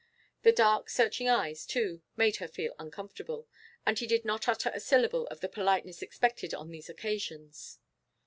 The dark searching eyes, too, made her feel uncomfortable. And he did not utter a syllable of the politeness expected on these occasions.